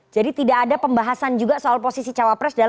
jadi tidak ada pembahasan juga soal posisi cawa press